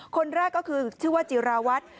คนแรกก็คือชื่อว่าจิราวัตร